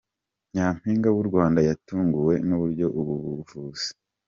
Nyampinga w’u Rwanda yatunguwe n’uburyo ubu buvuzi